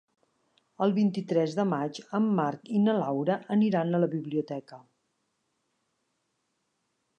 El vint-i-tres de maig en Marc i na Laura aniran a la biblioteca.